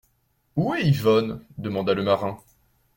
Où est Yvonne ? demanda le marin.